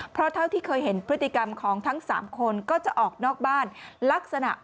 เพราะเท่าที่ได้เห็นพฤติกรรมทั้ง๓คนก็จะออกนอกบ้าน